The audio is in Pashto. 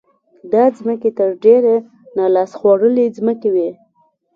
دا ځمکې تر ډېره نا لاس خوړلې ځمکې وې.